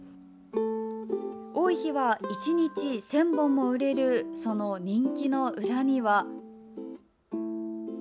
多い日は１日１０００本も売れるその人気の裏には。